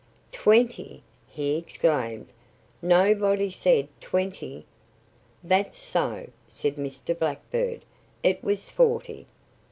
"Twenty!" he exclaimed. "Nobody said 'twenty!'" "That's so," said Mr. Blackbird. "It was forty."